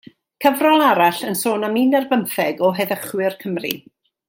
Cyfrol arall yn sôn am un ar bymtheg o heddychwyr Cymru.